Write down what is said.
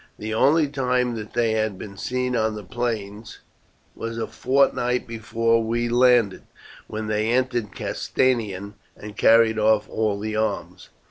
The only time that they have been seen on the plains was a fortnight before we landed, when they entered Castanium and carried off all the arms.